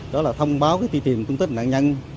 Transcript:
đó là thông báo cái tỷ tiệm công tích nạn nhân